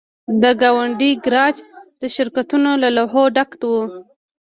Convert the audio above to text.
د ګاونډۍ ګراج د شرکتونو له لوحو ډک و